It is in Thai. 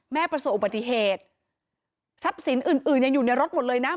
ประสบอุบัติเหตุทรัพย์สินอื่นอื่นยังอยู่ในรถหมดเลยนะ